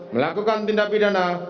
melakukan tindak pidana